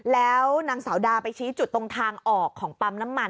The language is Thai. แล้วนางสาวดาไปชี้จุดตรงทางออกของปั๊มน้ำมัน